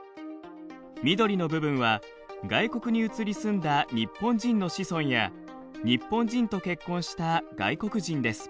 緑の部分は外国に移り住んだ日本人の子孫や日本人と結婚した外国人です。